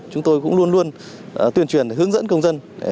chúng tôi cũng luôn luôn tuyên truyền hướng dẫn công dân